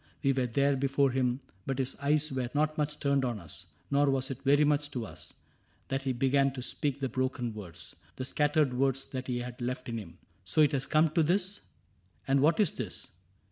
We were there Before him, but his eyes were not much turned On us ; nor was it very much to us That he began to speak the broken words. The scattered words, that he had left in him. ^' So it has come to this ? And what is this